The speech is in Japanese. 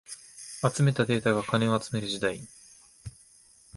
集めたデータが金を集める時代